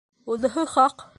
Уныһы хаҡ!